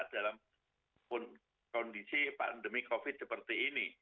dalam kondisi pandemi covid sembilan belas seperti ini